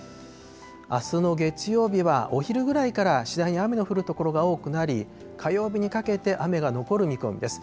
あすの月曜日はお昼ぐらいから次第に雨の降る所が多くなり、火曜日にかけて雨が残る見込みです。